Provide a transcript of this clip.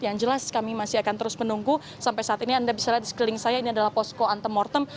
yang jelas kami masih akan terus menunggu sampai saat ini anda bisa lihat di sekeliling saya ini adalah posko antemortem